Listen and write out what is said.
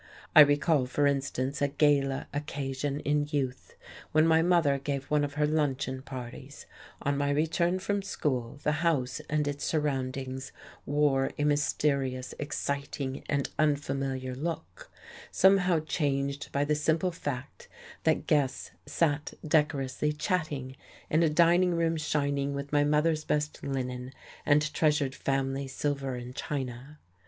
I recall, for instance, a gala occasion in youth when my mother gave one of her luncheon parties; on my return from school, the house and its surroundings wore a mysterious, exciting and unfamiliar look, somehow changed by the simple fact that guests sat decorously chatting in a dining room shining with my mother's best linen and treasured family silver and china.